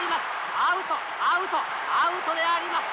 アウトアウトアウトであります。